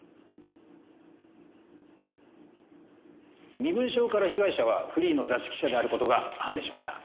身分証から被害者はフリーの雑誌記者である事が判明しました。